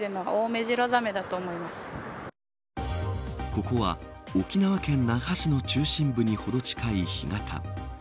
ここは沖縄県那覇市の中心部にほど近い干潟。